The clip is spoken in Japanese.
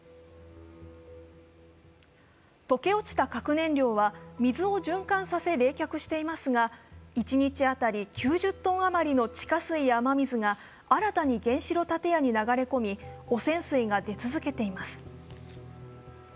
溶け落ちた核燃料は水を循環させ冷却していますが１日当たり９０ｔあまりの地下水が新たに原子炉建屋に流れ込み汚染水が出続けています。